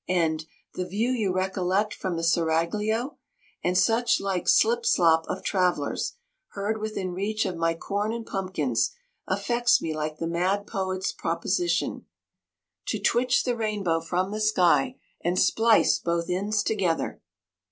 and, 'The view you recollect from the Seraglio!' and such like slip slop of travellers, heard within reach of my corn and pumpkins, affects me like the mad poet's proposition, 'To twitch the rainbow from the sky, And splice both ends together.